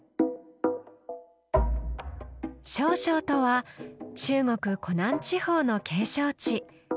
「瀟湘」とは中国湖南地方の景勝地。